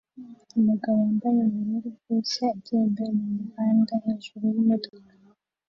Umugabo wambaye ubururu bwose agenda mumuhanda hejuru yimodoka